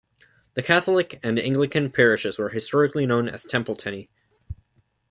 The Catholic and Anglican parishes were historically known as Templetenny.